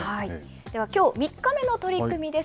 ではきょう３日目の取組です。